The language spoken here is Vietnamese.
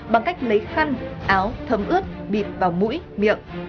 bằng cách lấy khăn áo thấm ướt bịt vào mũi miệng